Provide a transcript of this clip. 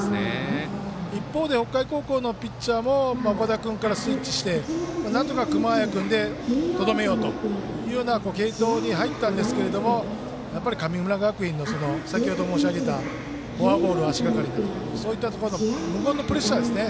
一方で北海高校のピッチャーも岡田君からスイッチしてなんとか熊谷君でとどめようという継投に入ったんですが神村学園の、先ほど申し上げたフォアボールを足がかりにする向こうのプレッシャーですね。